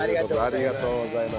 ありがとうございます。